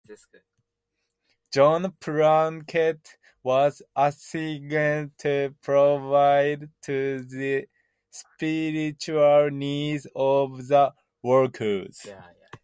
John Plunkett was assigned to provide to the spiritual needs of the workers.